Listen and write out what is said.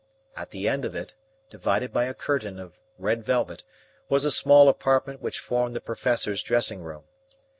At the end of it, divided by a curtain of red velvet, was a small apartment which formed the Professor's dressing room.